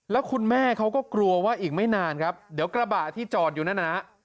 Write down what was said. แล้วคุณแม่เขาก็กลัวว่าอีกไม่นานครับเดี๋ยวกระบะที่จอดอยู่นั่นน่ะ